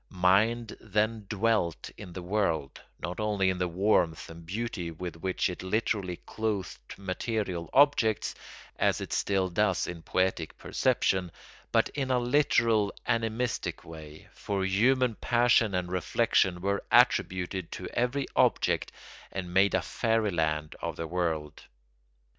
Mind then dwelt in the world, not only in the warmth and beauty with which it literally clothed material objects, as it still does in poetic perception, but in a literal animistic way; for human passion and reflection were attributed to every object and made a fairy land of the world.